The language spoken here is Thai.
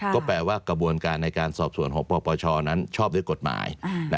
ก็แปลว่ากระบวนการในการสอบสวนของปปชนั้นชอบด้วยกฎหมาย